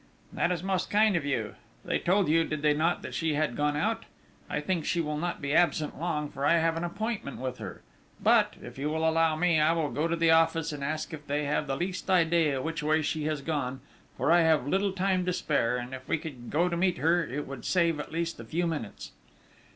"That is most kind of you! They told you, did they not, that she had gone out? I think she will not be absent long, for I have an appointment with her. But, if you will allow me, I will go to the office and ask if they have the least idea of which way she has gone, for I have little time to spare, and if we could go to meet her, it would save, at least, a few minutes...."